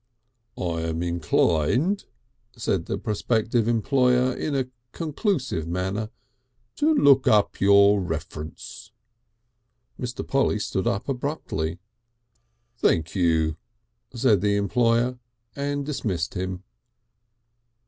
"I am inclined," said the prospective employer in a conclusive manner, "to look up your reference." Mr. Polly stood up abruptly. "Thank you," said the employer and dismissed him.